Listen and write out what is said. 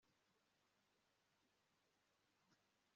Abitabiriye amahugurwa bari igice kinini cyabagore